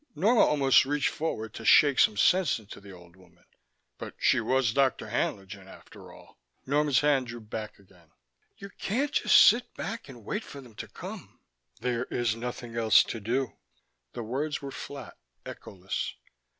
Norma almost reached forward to shake some sense into the old woman. But she was Dr. Haenlingen, after all Norma's hand drew back again. "You can't just sit back and wait for them to come!" "There is nothing else to do." The words were flat, echoless.